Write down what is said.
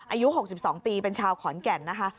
อายุ๖๒ปีเป็นชาวขอนแก่นนะคะ